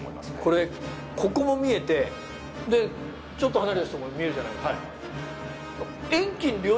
これここも見えてちょっと離れた人も見えるじゃないですか。